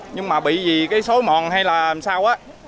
nhưng mà bị gì cái xối mòn hay là làm sao á